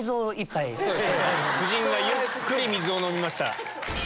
夫人がゆっくり水を飲みました。